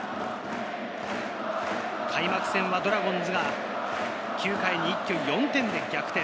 開幕戦はドラゴンズが、９回に一挙４点で逆転。